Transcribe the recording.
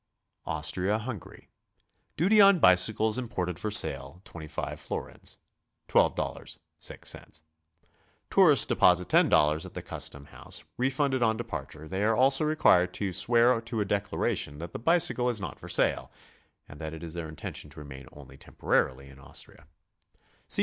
AUSTRIA HUNGARY. Duty on bicycles imported for sale, 25 florins, — $12.06. Tourists deposit $10 at the cus tom house, refunded on departure; they are also required to swear to a declaration that the bicycle is not for sale and that it is their intention to remain only temporarily in Aus tria.